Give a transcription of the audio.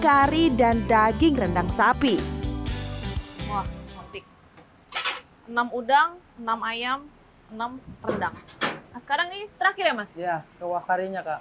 kari dan daging rendang sapi enam udang enam ayam enam rendang sekarang nih terakhir ya mas ya kuah karinya